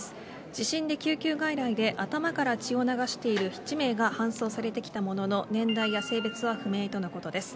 地震の救急外来で頭から血を流している１名が搬送されてきたものの年代や性別は不明とのことです。